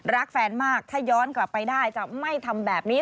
รักแฟนมากถ้าย้อนกลับไปได้จะไม่ทำแบบนี้